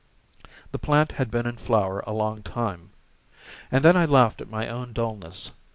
The plant had been in flower a long time. And then I laughed at my own dullness.